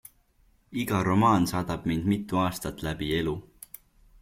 Iga romaan saadab mind mitu aastat läbi elu.